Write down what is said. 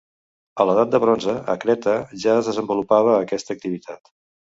A l'edat de bronze, a Creta, ja es desenvolupava aquesta activitat.